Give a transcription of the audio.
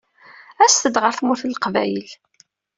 Aset-d ɣer Tmurt n Leqbayel.